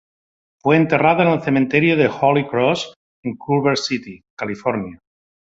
Fue enterrada en el cementerio de Holy Cross en Culver City, California.